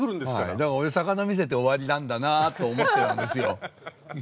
だから俺魚見せて終わりなんだなと思ってたんですよ。